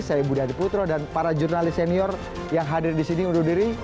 saya budi adiputro dan para jurnalis senior yang hadir di sini undur diri